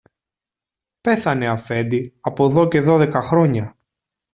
Πέθανε, αφέντη, από δω και δώδεκα χρόνια.